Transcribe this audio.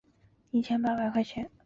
该剧标题采用书画家王王孙题字。